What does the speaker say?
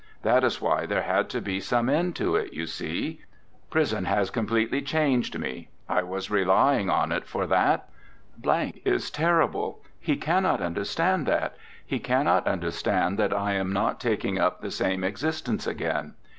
That is why there had to be some end to it, you see. Prison has completely changed me. I was relying on it for that. is terrible. He cannot understand that he cannot understand that I am not taking up the same existence again.